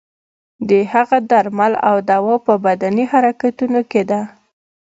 د هغه درمل او دوا په بدني حرکتونو کې ده.